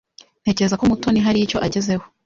Ntekereza ko Mutoni hari icyo agezeho.